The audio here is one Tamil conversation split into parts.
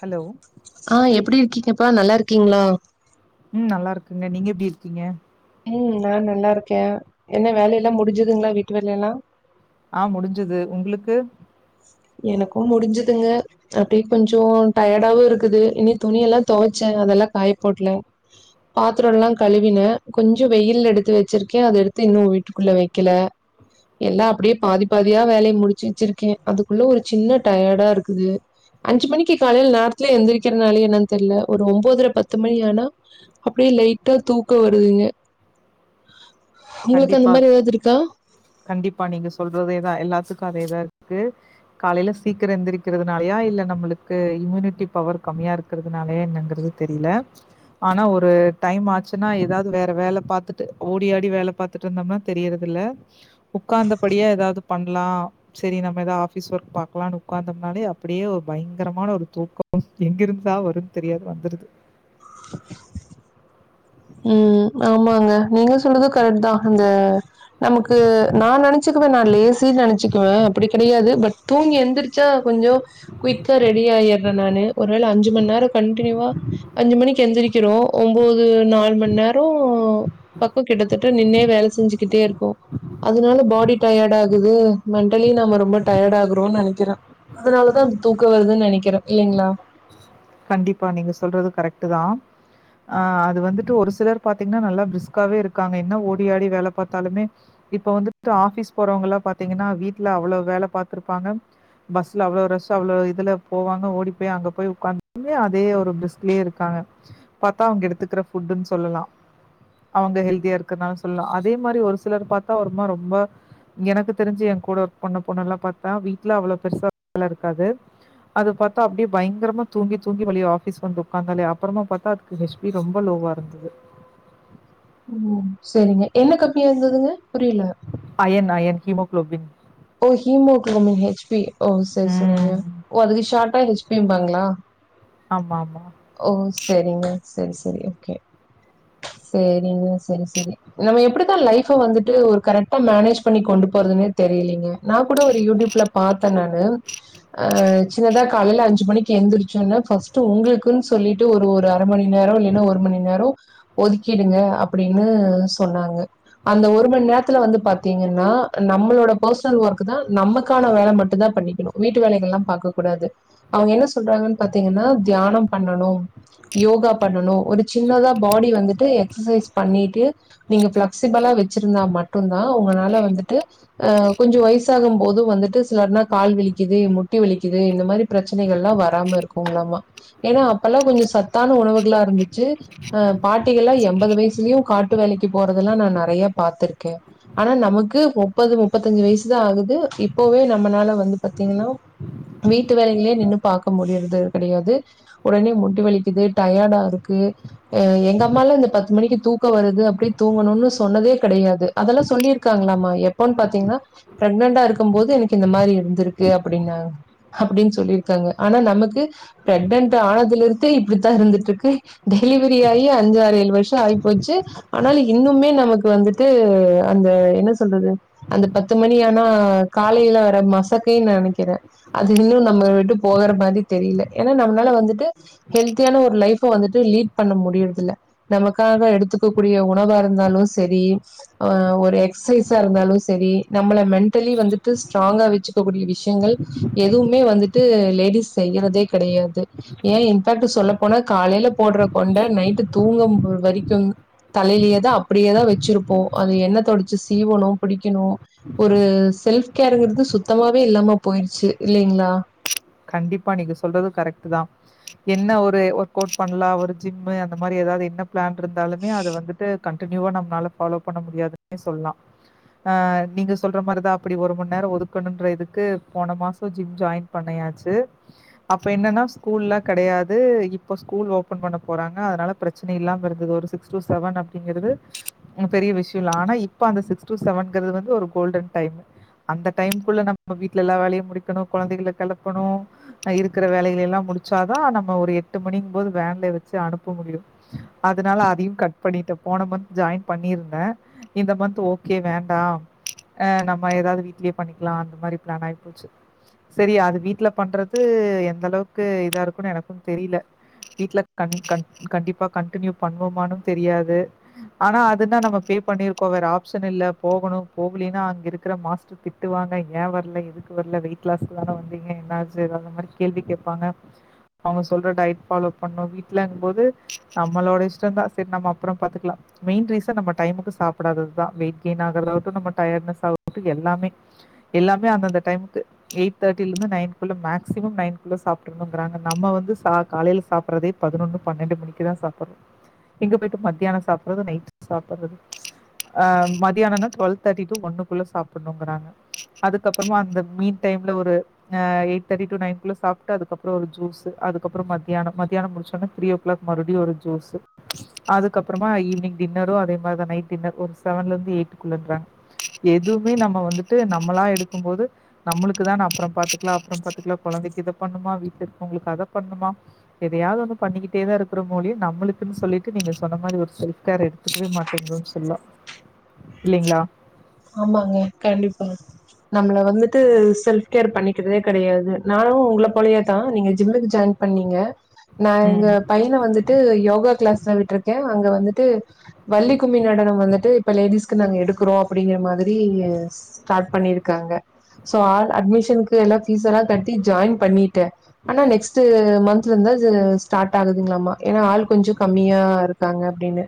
ஹலோ ஆ எப்டி இருக்கீங்கப்பா நல்லா இருக்கீங்களா ம் நல்லா இருக்குங்க நீங்க எப்டி இருக்கீங்க ம் நா நல்லா இருக்கேன் என்ன வேலையெல்லாம் முடிஞ்சுதுங்களா வீட்டு வேலையெல்லாம் ஆ முடிஞ்சுது உங்களுக்கு எனக்கும் முடிஞ்சுதுங்க அப்டியே கொஞ்சோ டயர்டாவும் இருக்குது இனி துணி எல்லாம் துவைச்சேன் அதெல்லாம் காய போட்ல பாத்திரம் எல்லாம் கழுவினே கொஞ்சம் வெயில் எடுத்து வச்சிருக்கேன் அத எடுத்து இன்னும் வீட்டுக்குள்ள வைக்கல எல்லாம் அப்டியே பாதி பாதியா வேலையை முடிச்சு வச்சிருக்கேன் அதுக்குள்ள ஒரு சின்ன டயர்டா இருக்குது அஞ்சு மணிக்கு காலையில நேரத்துல எழுந்திரிக்ககத்துனால என்னனு தெரில ஒரு ஒன்பதர பத்து மணி ஆனா அப்டியே லைட்டா தூக்க வருதுங்க உங்களுக்கு அந்த கண்டிப்பா மாரி ஏதாவது இருக்கா கண்டிப்பா நீங்க சொல்றதேதான் எல்லாத்துக்கும் அதேதான் இருக்கு காலையில சீக்கிரம் எந்திரிக்கிறதுனாலயா இல்ல நம்மளுக்கு இம்யூனிட்டி பவர் கம்மியா இருக் இருக்கிறதுனாலே என்னங்கிறது தெரியல ஆனா ஒரு டைம் ஆச்சுன்னா ஏதாவது வேற வேலை பார்த்துட்டு ஓடிஆடி வேல பார்த்துட்டு இருந்தோம்னா தெரியரதுல்ல உட்காந்தபடியா ஏதாவது பண்லா சேரி நம்ம ஏதாவது ஆபிஸ் ஒர்க் பார்க்கலாம்னு உட்காந்தோம்னாலே அப்டியே ஒரு பயங்கரமான ஒரு தூக்கோ எங்கிருந்துதா வரும் தெரியாது வந்துருது [inaudible] ம் ஆமாங்க நீங்க சொல்றது கரெக்ட் தா இந்த நமக்கு நான் நினைச்சுக்குவே நான் லேசு நினைச்சுக்குவே அப்டி கெடையாது பட் தூங்கி எழுந்திரிச்சா கொஞ்சம் குயிக்காக ரெடி ஆயிற நானு ஒருவேளை அஞ்சுமண் நேரம் கண்டினியூவா அஞ்சு மணிக்கு எழுந்திரிக்கிறோம் ஒன்போது நாலு ஒரு மண் நேரோ பக்கம் கிட்டத்தட்ட நின்னே வேலை செஞ்சுக்கிட்டே இருக்கோ அதனால பாடி டயர்ட் ஆகுது மென்டலி நம்ம ரொம்ப டயர்ட் ஆகுறோம்னு நெனைக்கிறே அதனாலதா அந்த தூக்க வருதுன்னு நெனைக்கிறேன் இல்லைங்ளா கண்டிப்பா நீங்க சொல்றது கரெக்ட் தான் ஆ அது வந்துட்டு ஒரு சிலர் பாத்தீங்கன்னா நல்லா பிரிஸ்க்காவே இருக்காங்க இன்ன ஓடி ஆடி வேல பாத்தாலுமே இப்போ வந்துட்டு ஆஃபீஸ் போறவங்கல்லா பாத்தீங்கன்னா வீட்ல அவ்ளோவு வேல பாத்துருப்பாங்க பஸ்ல அவ்ளோ ரஷ் அவ்ளோ இதுல போவங்க ஓடி போய் அங்க போய் உக்காந் ன்மே அதே ஒரு பிரிஸ்க்லயே இருக்காங்க பாத்தா அவங்க எடுத்துக்குற ஃபுட்டுன்னு சொல்லலா அவுங்க ஹெல்தியா இருக்கனாலு சொல்லலா அதே மாதிரி ஒரு சிலர் பாத்தா ஒருமா ரொம்ப எனக்கு தெரிஞ்சு எங் கூட ஒர்க் பண்ண பொண்ணல்லா பாத்தா வீட்ல அவ்ளோ பெருசா வேலருக்காது அது பாத்தா அப்டியே பயங்கரமா தூங்கி தூங்கி வழியு ஆஃபிஸ் வந்து உக்காந்தாலே அப்பறமாபாத்தா அதுக்கு ஹெச் பி ரொம்ப லோவாருந்தது ம் செரிங்க என்ன கம்மியா இருந்ததுங்க புரியில அயன் அயன் ஹீமோகுளோபின் ஓ ஹிமோகுளோமின் ஹெச் பி ஓ செரி செரிங்க ம். ஓ அதுக்கு ஷார்ட்டா ஹெச் பிம்பாங்ளா ஆமா ஆமா ஓ செரிங்க செரி செரி ஓகே செரிங்க செரி செரி நம்ம எப்படிதா லைஃப வந்துட்டு ஒரு கரெக்டா மேனேஜ் பண்ணி கொண்டு போறதுன்னே தெரிலீங் நா கூட ஒரு யூடியூப்ல பாத்த நானு ஆ சின்னதா காலையில அஞ்சு மணிக்கி எழுந்திரிச்சோன்னா ஃபஸ்ட்டு உங்களுக்குன்னு சொல்லிட்டு ஒரு ஒரு அரை மணி நேரோ இல்லன்னா ஒரு மணி நேரோ ஒதுக்கிடுங்க அப்டின்னு சொன்னாங்க அந்த ஒரு மணி நேரத்துல வந்து பாத்தீங்கன்னா நம்மளோட பர்சனல் ஒர்க் தா நமக்கான வேல மட்டுதா பண்ணிக்கணு வீட்டு வேலைகள்லா பாக்க கூடாது அவுங்க என்ன சொல்றாங்கன்னு பாத்தீங்கன்னா தியானோ பண்ணணு யோகா பண்ணணு ஒரு சின்னதா பாடி வந்துட்டு எக்ஸசைஸ் பண்ணிட்டு நீங்க ஃப்ளெக்சிபளா வச்சிருந்தா மட்டு தா உங்கனால வந்துட்டு ஆ கொஞ்சோ வயசாகும் போது வந்துட்டு சிலர்னா கால் வலிக்கிது முட்டி வலிக்கிது இந்த மாரி பிரச்சனைகள்லா வராம இருக்குங்களாமா ஏன்னா அப்பெல்லா கொஞ்சோ சத்தான உணவுகளா இருந்துச்சு ஆ பாட்டிகள்லா எம்பது வயசுலயு காட்டு வேலைக்கி போறதெல்லா நா நறைய பாத்துருக்கே ஆனா நமக்கு முப்பது முப்பத்தஞ்சு வயசுதா ஆகுது இப்பவே நம்மனால வந்து பாத்தீங்ன்னா வீட்டு வேலைங்லே நின்னு பாக்க முடியறது கெடையாது ஒடனே முட்டி வலிக்கிது டயடாருக்கு எங்க அம்மாலா இந்த பத்து மணிக்கி தூக்கோ வருது அப்டி தூங்கணுன்னு சொன்னதே கடையாது அதெல்லா சொல்லியிருக்காங்களாமா எப் பவு பாத்தீங்கன்னா பிரெக்னன்ட்டா இருக்கும்போது எனக்கு இந்த மாரி இருந்துருக்கு அப்படின்னாங்க அப்படின்னு சொல்லிருக்காங்க ஆனா நமக்கு பிரெக்னன்ட் ஆனதுலருந்தே இப்டித்தா இருந்துட்டுருக்கு டெலிவரி ஆயி அஞ்சாறு ஏழு வருஷோ ஆயி போச்சு ஆனாலு இன்னுமே நமக்கு வந்துட்டு அந்த என்ன சொல்றது அந்த பத்து மணி ஆனா காலையில வர மசக்கைனு நா நெனைக்கிறே அது இன்னு நம்மள விட்டு போகற மாரி தெரியில ஏன்னா நம்மளால வந்துட்டு ஹெல்தியான ஒரு லைஃப்ப வந்துட்டு லீட் பண்ண முடியறதுல்ல நமக்காக எடுத்துக்க கூடிய உணவாருந்தாலு செரி ஆ ஒரு எக்சைஸா இருந்தாலு செரி நம்மள மென்டலி வந்துட்டு ஸ்ட்ராங்கா வெச்சுக்கக்கூடிய விஷ்யங்கள் எதுவுமே வந்துட்டு லேடிஸ் செய்யறதே கடையாது ஏ இன்ஃபேக்ட் சொல்ல போனா காலைல போட்ற கொண்ட நைட்டு தூங்கும் வரைக்கும் தலையிலேயே தா அப்டியே தா வச்சிருப்போ அது என்ன தொடச்சி சீவணு புடிக்கணு ஒரு செல்ஃப் கேருங்றது சுத்தமாவே இல்லாம போயிருச்சு இல்லிங்களா கண்டிப்பா நீங்க சொல்றது கரெக்ட் தா என்ன ஒரு ஒர்க் அவுட் பண்லா ஒரு ஜிம்மு அந்த மாரி ஏதாவது என்ன பிளான் இருந்தாலுமே அத வந்துட்டு கண்டினியூவா நம்மனால ஃபாலோ பண்ண முடியாதுன்னே சொல்லா ஆ நீங்க சொல்ற மாரி தா அப்டி ஒரு மண் நேரம் ஒதுக்கணுன்ற இதுக்கு போன மாசம் ஜிம் ஜாயின் பண்ணயாச்சு து அப்ப என்னன்னா ஸ்கூல்லா கெடயாது இப்ப ஸ்கூல் ஓப்பன் பண்ண போறாங்க அதனால பிரச் ச்சன இல்லாம இருந்தது ஒரு சிக்ஸ் டு செவன் அப்டிங்கறது ஒன்னும் பெரிய விஷ்யோ இல்ல ஆனா இப்ப அந்த சிக்ஸ் டு செவன்ங்கிறது வந்து ஒரு கோல்டன் டைம் அந்த டைம்க்குள்ள நம்ப வீட்ல எல்லா வேலயு முடிக்கணு கொழந்தைகள கெளப்பணு அ இருக்குற வேலைகள்லா முடிச்சா தா நம்ம ஒரு எட்டு மணிங் போது வேன்ல வெச்சு அனுப்ப முடியும் அதுனால அதையும் கட் பண்ணிட்ட போன மந்த் ஜாயின் பண்ணியிருந்த இந்த மந்த் ஓகே வேண்டா அ நம்ம எதாவ்து வீட்லே பண்ணிக்லா அந்த மாரி பிளான் ஆயி போச்சு செரி அது வீட் ட்ல பண்றது எந்த அளவுக்கு இதா இருக்குன் எனக்கும் தெரில வீட்ல கண் கண் கண்டிப்பா கண்டினியூ பண்ணுவோமானு தெரியாது ஆனா அதுன்னா நம்ம பே பண்ணிருக்கோம் வேற ஆப்ஷன் இல்ல போகணும் போகலின்னா அங்க இருக்கற மாஸ்ட் திட்டுவாங்க ஏன் வர்ல எதுக்கு வர்ல வெயிட் லாஸ்க்கு தான வந்திங் க ஏன் என்னாச்சி அந்த மாரி கேள்வி கேப்பாங்க அவுங்க சொல்ற டயட் ஃபாலோ பண்ணும் வீட்லங்க போது நம்மளோட இஷ்டம் தா செர் நம்ம அப்றம் பாத்துக்லா மெயின் ரீசன் நம்ம டைமுக்கு சாப்டாதது தா வெயிட் கெயின் ஆகறதாகட்டும் நம்ம டயர்ட்னஸ் ஆகட்டும் எல்லாமே எல்லாமே அந்தந்த டைமுக்கு எயிட் தேட் டி லந்து நைன் குள்ள மேக்சிமம் நைன் குள்ள சாப்ட்றனும்ங்றாங்க நம்ம வந்து காலைல சாப்றதே பதினொன்னு பன்னெண்டு மணிக்குதா சாப்புறோம் இங்க போயி்ட்டு மத்தியானம் சாப்புறது நைட் சாப்புறது ஆ மதியானம்னா டுவெல் தேர்ட்டி டூ ஒன்னுக்குள்ள சாப்புன்னுங்குறாங்க அதுக்கப்புறமா அந்த மீன் டைம்ல ஒரு அ எய்ட் தேட்டி டு நைன்குள்ள சாப்ட்டு அதுக்கப்பறம் ஒரு ஜூஸு அதுக்கப்பறம் மத்தியானம் மத்தியானம் முடிச்சோன்னா த்ரீயோ க்ளாக் மறுப்டியும் ஒரு ஜூஸ்சு அதுக்கப்புறமா ஈவினிங் டின்னரு அதே மாரி தா நைட் டின்னர் ஒரு செவன்லந்து எயிட்டுக்குள்ளங்றாங்க எதுமே நம்ம வந்துட்டு நம்மளா எடுக்கும் போது நம்மளுக்கு தான் அப்புறம் பாத்துக்லா அப்புறம் பாத்துக்லா கொழந்தைக்கு இத பண்ணுமா வீட்ல இருக்கவங்களுக்கு அத பண்ணுமா எதையாவ் ஒன்னு பண்ணிக்கிட்டே தா இருக்கிற மோது நம்முளுக்குன் சொல்லிட்டு நீங்க சொன்ன மாரி ஒரு செல்ஃப்கேர் எடு த்துக்கவே மாட்டேங்கன் சொல்லா இல்லிங்ளா ஆமாங்க கண்டிப்பா நம்மள வந்துட்டு செல்ஃப் கேரு பண்ணிக்கிறதே கெடயாது நானும் உங்கள போலவே தா நீங்க ஜிம்முக்கு ஜாயின் பண்ணீங்க நா எங்க ம் பையன வந்துட்டு யோகா கிளாஸ்ல விட்ருக்கே அங்க வந்துட்டு வள்ளி கும்மி நடனம் வந்துட்டு இப்ப லேடிஸ்க்கு நாங்க எடுக்குறோம் அப்டிங்கற மாதிரி ஸ்டார்ட் பண்ணிருக்காங்க சோ ஆள் அட்மிஷன்க்கு எல்லாம் ஃபீஸ்ஸல்லா கட்டி ஜாயின் பண்ணிட்டே ஆனா நெக்ஸ்ட்டு மந்த் ல இருந்து ஸ்டார்ட் ஆகுதுங்களாமா ஏன்னா ஆள் கொஞ்சம் கம்மியா இருக்காங்க அப்டின்னு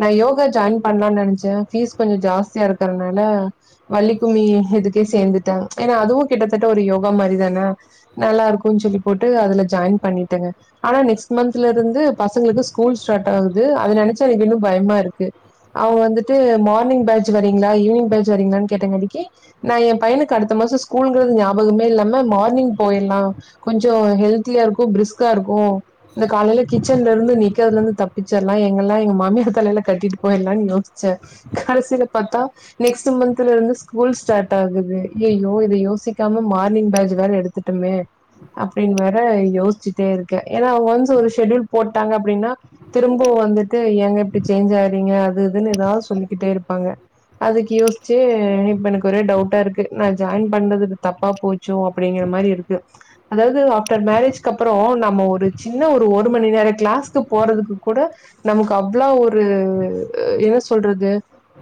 நா யோகா ஜாயின் பண்லான் நெனச்சே ஃபீஸ் கொஞ்சம் ஜாஸ்தியா இருக்கறனால வள்ளி கும்மி இதுக்கே சேந்துட்ட ஏன்னா அதுவும் கிட்டத்தட்ட ஒரு யோகா மாரி தான நல்லா இருக்கும் சொல்லி போட்டு அதுல ஜாயின் பண்ணிட்டேங்க ஆனா நெக்ஸ்ட் மந்த்ல இருந்து பசங்களுக்கு ஸ்கூல் ஸ்டார்ட் ஆகுது அத நெனச்சா எனக்கு இன்னும் பயமா இருக்கு அவங்க வந்துட்டு மார்னிங் பேஜ் வரீங்ளா ஈவ்னிங் பேஜ் வரீங்ளான் கேட்டாங்க அதுக்கே நா என் பையனுக்கு அடுத்த மாச ஸ்கூல்ங்றது ஞாபகமே இல்லாம மார்னிங் போயிர்ல்லா கொஞ்சோ ஹெல்த்திலியா இருக்கும் பிரிஸ்கா இருக்கும் இந்த காலையில கிச்சன்ல இருந்து நிக்கற்துல இருந்து தப்பிச்சர்லா எங்கள்லா எங்க மாமியார் தலைல கட்டிட்டு போயிர்லான் யோஸ்ச்ச கடசில பாத்தா நெக்ஸ்ட்டு மந்த்ல இருந்து ஸ்கூல் ஸ்டாட் ஆகுது ஐயய்யோ இத யோசிக்காம மார்னிங் பேஜ் வேற எடுத் துட்டமே அப்டின் வேற யோஸ்ச்சுட்டே இருக்க எனா ஒன்ஸ் ஒரு செட்யூல் போட்டாங்க அப்டினா திரும்ப வந்துட்டு எங்க இப்டி சேஞ்ச் ஆறீங்க அது இதுன்னு எதா சொல்லிக்கிட்டே இருப்பாங்க அதுக்கு யோஸ்ச்சே இப்ப எனக்கு ஒரே டவுட்டா இருக்கு நா ஜாயின் பண்ணதுகு தப்பா போச் சோ அப்டிங்கிற மாரி இருக்கு அதாவ்து ஆஃப்டர் மேரேஜ்க்கப்புறோ நம்ம ஒரு சின்ன ஒரு ஒரு மணி நேரோ க்ளாஸ்க்கு போறதுக்கு கூட நமக்கு அவ்ளோ ஒரு என்ன சொல்றது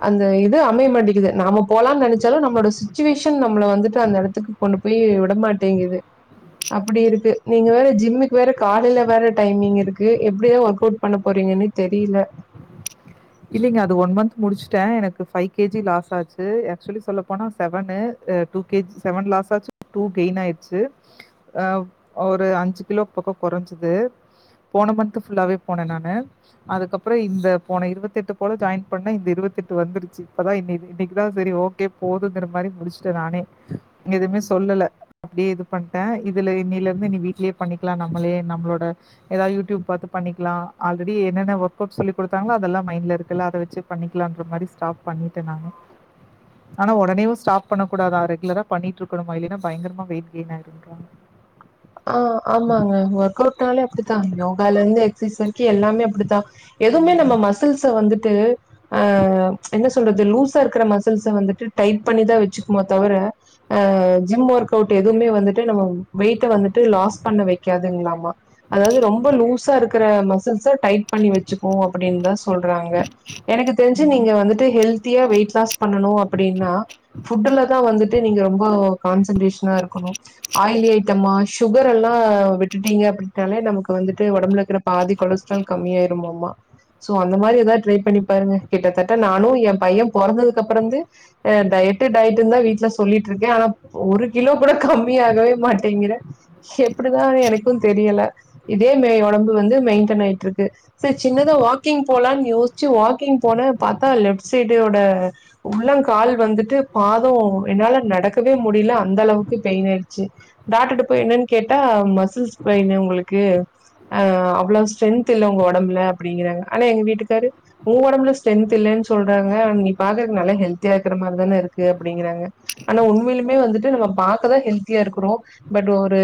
அந்த இது அமைய மாட்டிகுது நாம போலான் நெனச்சாலு நம்மளோட சுச்சுவேஷன் நம்மள வந்துட்டு அந்த இடத்துக்கு கொண்டு போய் விடமாட்டேங்குது அப்டி இருக்கு நீங்க வேற ஜிம்முக்கு வேற காலைல வேற டைமிங் இருக்கு எப்டிதா ஒர்க் அவுட் பண்ண போறீங்கனே தெரில இல்லிங்க அது ஒன் மந்த் முடிச்சுட்டே எனக்கு ஃபைவ் கேஜி லாஸ் ஆச்சு ஆக்சுவலி சொல்லப்போனா seven two KG seven loss ஆச்சு டூ கெயின் ஆய்டுச்சு அ ஒரு அஞ்சு கிலோ பக்கோ குறஞ்சுது போன மந்த்து ஃபுல்லாவே போன நானு அதுக்கப்புறோ இந்த போன இருவத் தி எட்டு போல ஜாயின் பண்ண இந்த இருவத் எட்டு வந்துருச்சு இப்பதா இன்னிக் இன்னிக்குதா சேரி ஓகே போதுங்கறமாரி முடிச் ட நானே எதுமே சொல்ல அப்டியே இது பண்ட்ட இதுல இன்னில இருந்து நீ வீட்லயே பண்ணிக்லா நம்மளே நம்மளோட எதாது யூட்யூப் பாத்து பண்ணிக்லா ஆல்ரெடி என்னென்ன ஒர்க்கவுட் சொல்லி குடுத்தாங்ளோ அதல்லா மைண்ட்ல இருக்குல அத வெச்சு பண்ணிக்லாங்ற மாரி ஸ்டாப் பண்ணிட்ட நானே ஆனா ஒடனேவு ஸ்டாப் பண்ண கூடாதா ரெகுலரா பண்ணிட்ருக்கணுமா இல்லினா பயங்கரமா வெயிட் கெயின் ஆய்ருமா ஆ ஆமாங்க ஒர்க் அவுட்னாலே அப்டித்தா யோகாலருந்து எக்ஸ்ச்சைஸ் வரிக்கு எல்லாமே அப்டிதா எதுமே நம்ம ம், மசில்ஸ வந்துட்டு அ என்ன சொல்றது லூசா இருக்கிற மசில்ஸ வந்துட்டு டைட் பண்ணிதா வெச்சுக்குமோ தவர ஆ ஜிம் ஒர்க் அவுட் எதுமே வந்துட்டு நம்ம வெய்ட்ட வந்துட் லாஸ் பண்ண வெக்காதுங்ளாமா அதாவ்து ரொம்ப லூசா இருக்குற மசில்ஸ டைட் பண்ணி வெச்சுக்கு அப்டின்தா சொல்றாங்க எனக்கு தெரிஞ்சு ம். நீங்க வந்துட்டு ஹெல்தியா வெயிட் லாஸ் பண்ணனு அப்டினா ஃபுட்டுலதா வந்துட்டு நீங்க ரொம்ப கான்சன்ட்ரேஷனா இருக்கணு ஆய்லி ஐட்டமா சுகரலா விட்டுட்டீங்க அப்டின்னாலே நமக்கு வந்துட்டு ஒடம்புல இருக்குற பாதி கொலஸ்ட்ரால் கம்மியாய்ருமாமா சோ அந்த மாரி எதா ட்ரை பண்ணி பாருங்க கிட்டத்தட்ட நானு எ பைய பொறந்ததுக்கப்பறோந்து ஆ டயட்டு டயட்டுதா வீட்ல சொல்லிட்ருக்கே ஆனா ஒரு கிலோகூட கம்மியாகவே மாட்டேங்கிறே எப்டிதா எனக்கு தெரியல இதே மெ ஒடம்பு வந்து மெயின்டெய்ன் ஆய்ட்ருக்கு சேரி சின்னதா வாக்கிங் போலான் யோஸ்ச்சு வாக்கிங் போன பாத்தா லெப்ட் சைடோட உள்ளங் கால் வந்துட்டு பாதோ என்னால நடக்கவே முடில அந்த அளவுக்கு பெயின் ஆய்டுச்சு டாக்ட்டர் போய் என்னன் கேட்டா மசில்ஸ் போயினு உங்களுக்கு ஆ அவ்ளோ ஸ்ட்ரென்த் இல்ல உங்க ஒடம்புல அப்டிங்கிறாங்க ஆனா எங்க வீட்டுக்காரு உ ஒடம்புல ஸ்டென்த் இல்லன் சொல்றாங்க நீ பாக்குறக்கு நல்ல ஹெல்தியா இருக்கிற மாரிதான இருக்கு அப்டிங்கிறாங்க ஆனா உண்மைலுமே வந்துட்டு நம்ம பாக்கதா ஹெல்தியா இருக்குறோ பட் ஒரு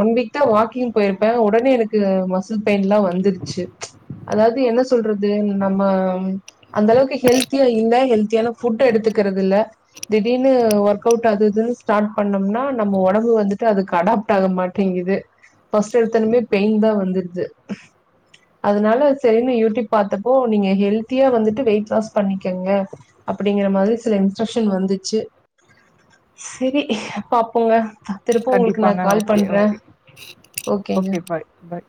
ஒன் வீக்தா வாக்கிங் போய்ருப்பே உடனே எனக்கு மசில் பெயின்லா வந்துருச்சு அதாது என்ன சொல்றது நம்ம அந்த அளவுக்கு ஹெல்தியா இல்ல ஹெல்த்தியான ஃபுட்டு எடுத்துக்கறது இல்ல திடீர்னு ஒர்க் அவுட் அது இதுன் ஸ்டாட் பண்ணோம்னா நம்ம ஒடம்பு வந்துட் அதுக்கு அடாப்ட் ஆக மாட்டேங்குது ஃபஸ்ட் எடுத்தோனுமே பெயின் தா வந்துடுது அதனால சரின்னு யூடியூப் பாத்தப்போ நீங்க ஹெல்த்தியா வந்துட்டு வெயிட் லாஸ் பண்ணிக்கங்க அப்டிங்ற மாரி சில இன்ஸ்ட்ரக்ஷன் வந்துச்சு செரி பாப்போங்க திருப்ப ஒங்களுக்கு நா கண்டிப்பாங்க கால் ஓகே பண்றே ஓகே ஓகேங்க ஓகே பாய் பாய்